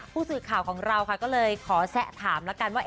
ผู้สื่อข่าวของเราค่ะก็เลยขอแซะถามแล้วกันว่า